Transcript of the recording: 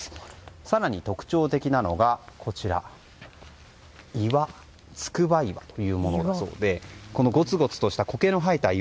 更に、特徴的なのが岩、筑波岩というものでこのごつごつとしたコケの生えた岩。